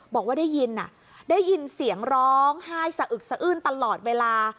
บอกว่าได้ยินได้ยินเสียงร้องไห้สะอึกสะอื้นตลอดเวลา